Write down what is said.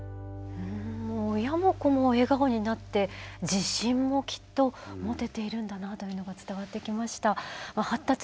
親も子も笑顔になって自信もきっと持てているんだなというのが伝わってきました。